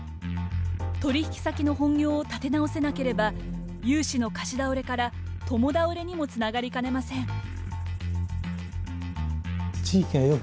取引先の本業を立て直せなければ融資の貸し倒れから共倒れにもつながりかねません。